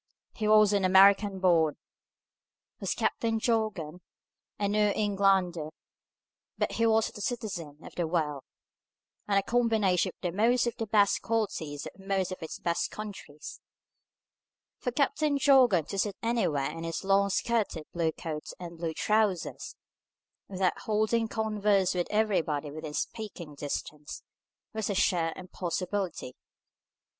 He was an American born, was Captain Jorgan, a New Englander, but he was a citizen of the world, and a combination of most of the best qualities of most of its best countries. For Captain Jorgan to sit anywhere in his long skirted blue coat and blue trousers, without holding converse with everybody within speaking distance, was a sheer impossibility.